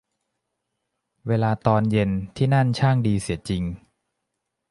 เวลาตอนเย็นที่นั่นช่างดีเสียจริง